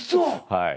はい。